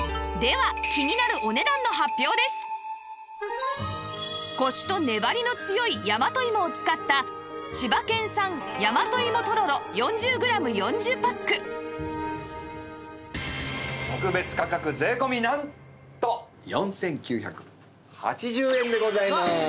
ではコシとねばりの強い大和芋を使った千葉県産大和芋とろろ４０グラム ×４０ パック特別価格税込なんと４９８０円でございます。